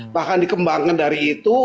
bahkan dikembangkan dari itu